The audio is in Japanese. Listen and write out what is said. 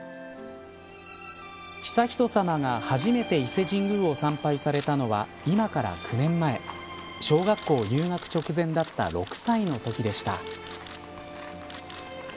悠仁さまが初めて伊勢神宮を参拝されたのは今から９年前小学校入学直前だった６歳のときでした。